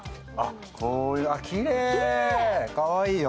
きれい、かわいいよ。